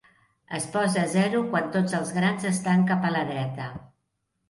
Es posa a zero quan tots els grans estan cap a la dreta.